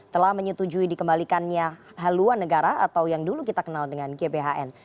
telah menyetujui dikembalikannya haluan negara atau yang dulu kita kenal dengan gbhn